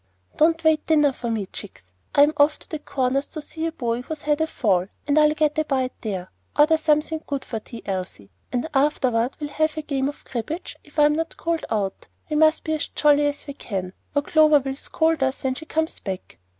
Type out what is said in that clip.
Don't wait dinner for me, chicks. I'm off for the Corners to see a boy who's had a fall, and I'll get a bite there. Order something good for tea, Elsie; and afterward we'll have a game of cribbage if I'm not called out. We must be as jolly as we can, or Clover will scold us when she comes back."